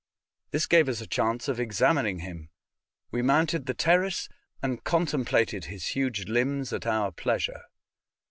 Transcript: This gave us a chance of examining him. We mounted the terrace and contemplated his huge limbs at our pleasure.